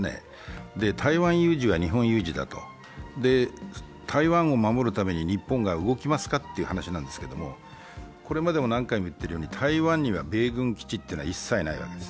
台湾有事は日本有事だと、台湾を守るために日本は動きますかという話なんですけれども、これまでも何回も言っているように台湾には米軍基地は一切ないです。